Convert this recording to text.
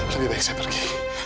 lebih baik saya pergi